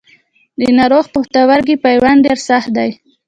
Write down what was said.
د ناروغ پښتورګي پیوند ډېر سخت دی.